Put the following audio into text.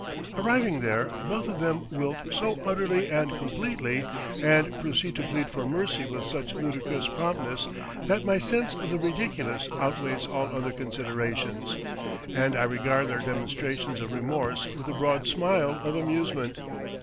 Arriving there, both of them wilt so utterly and completely, and proceed to plead for mercy with such ludicrous promptness, that my sense of the ridiculous outweighs all other considerations, and I regard their demonstrations of remorse with a broad smile of amusement.